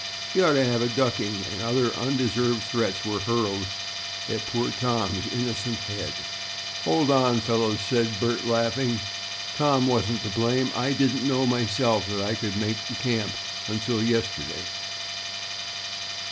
"He ought to have a ducking," and other undeserved threats were hurled at poor Tom's innocent head. "Hold on, fellows," said Bert, laughing; "Tom wasn't to blame. I didn't know myself that I could make the camp till yesterday."